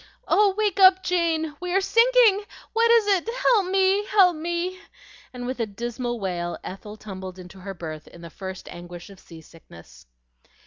"Oh, wake up, Jane! We are sinking! What is it? Help me, help me!" and with a dismal wail Ethel tumbled into her berth in the first anguish of seasickness.